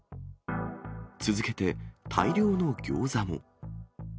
続けて、大量のギョーザも。